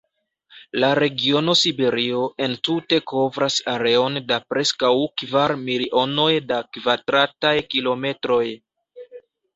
La regiono Siberio entute kovras areon da preskaŭ kvar milionoj da kvadrataj kilometroj.